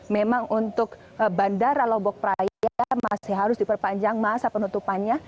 memang untuk bandara lombok praia masih harus diperpanjang masa penutupannya